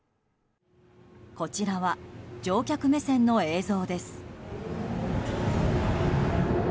こちらは乗客目線の映像です。